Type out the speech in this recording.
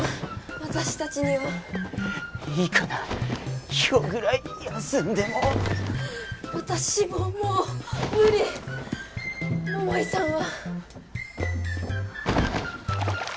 私達にはいいかな今日ぐらい休んでも私ももう無理桃井さんは？